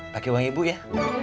pakai uang ibu ya